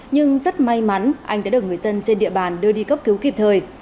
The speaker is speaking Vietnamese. nhưng rất may mắn anh đã được người dân trên địa bàn đưa đi cấp cứu kịp thời